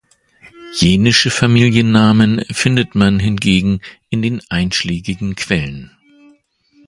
Jenische Familiennamen findet man hingegen in den einschlägigen Quellen.